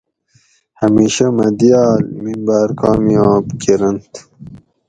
ہمیشہ مہۤ دِیال ممباۤر کامیاب کرنت